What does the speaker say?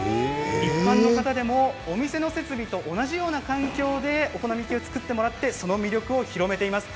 一般の方でもお店の設備と同じような環境でお好み焼きを作ってもらってその魅力を広めています。